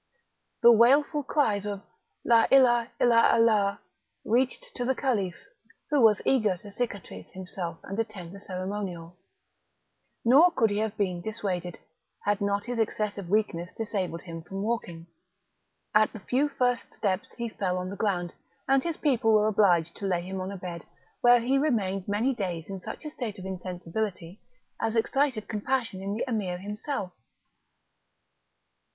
The wailful cries of "La Ilah illa Allah!" reached to the Caliph, who was eager to cicatrise himself and attend the ceremonial; nor could he have been dissuaded, had not his excessive weakness disabled him from walking; at the few first steps he fell on the ground, and his people were obliged to lay him on a bed, where he remained many days in such a state of insensibility, as excited compassion in the Emir himself.